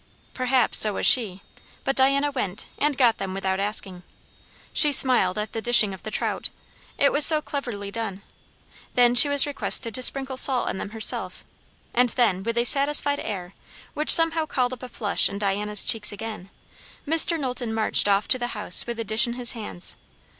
Perhaps so was she; but Diana went, and got them without asking. She smiled at the dishing of the trout, it was so cleverly done; then she was requested to sprinkle salt on them herself; and then with a satisfied air, which somehow called up a flush in Diana's cheeks again, Mr. Knowlton marched off to the house with the dish in his hands.